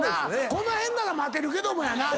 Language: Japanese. この辺なら待てるけどもやな。